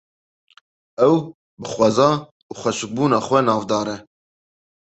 Ew bi xweza û xweşikbûna xwe navdar e.